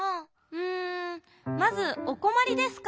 うんまず「おこまりですか？」